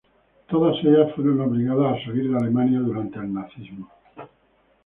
Todas ellas fueron obligadas a salir de Alemania durante el nazismo.